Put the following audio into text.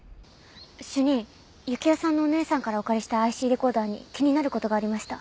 主任雪世さんのお姉さんからお借りしたＩＣレコーダーに気になる事がありました。